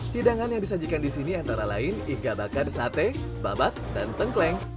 hidangan yang disajikan di sini antara lain igabakan sate babat dan tengkleng